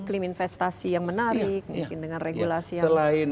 klaim investasi yang menarik mungkin dengan regulasi yang lain